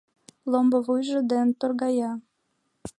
Ломбо вуйжо ден торгая.